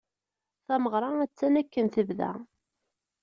Tameɣra attan akken tebda.